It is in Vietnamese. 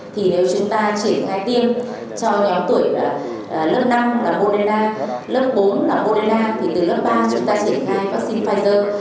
thì nếu chúng ta triển khai tiêm cho nhóm tuổi lớp năm là bolina lớp bốn là bolina thì từ lớp ba chúng ta triển khai vaccine pfizer